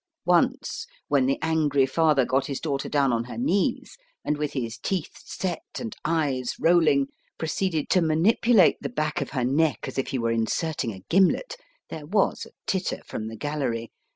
Once, when the angry father got his daughter down on her knees, and with his teeth set and eyes rolling, proceeded to manipulate the back of her neck as if he were inserting a gimlet, there was a titter from the gallery.